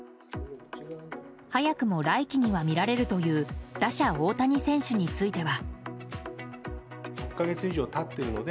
早くも来期には見られるという打者・大谷選手については。